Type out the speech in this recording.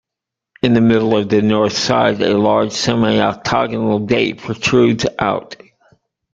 In the middle of the north side, "a large semi-octagonal bay" protrudes out.